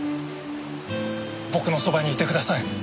僕のそばにいてください。